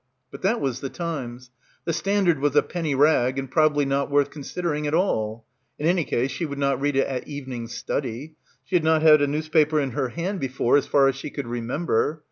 But that was "The Times." "The Standard" was a penny rag and probably not worth consider* ing at all. In any case she would not read it at evening study. She had never had a newspaper in her hand before as far as she could remember.